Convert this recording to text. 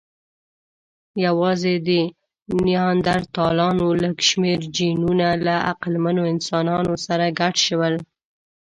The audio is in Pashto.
یواځې د نیاندرتالانو لږ شمېر جینونه له عقلمنو انسانانو سره ګډ شول.